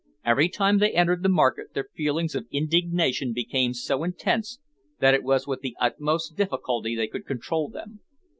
Every time they entered the market their feelings of indignation became so intense that it was with the utmost difficulty they could control them.